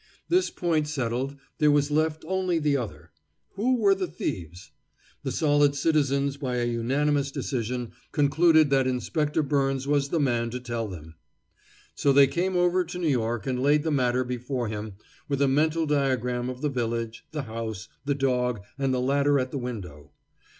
This point settled, there was left only the other: Who were the thieves? The solid citizens by a unanimous decision concluded that Inspector Byrnes was the man to tell them. So they came over to New York and laid the matter before him, with a mental diagram of the village, the house, the dog, and the ladder at the window.